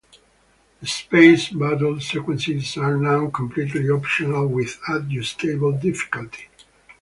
The space battle sequences are now completely optional, with adjustable difficulty.